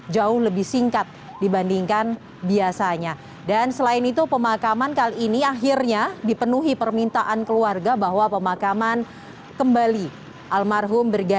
jangan lupa like share dan subscribe ya